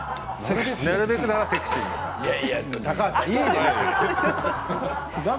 いやいや高橋さんいいですよ。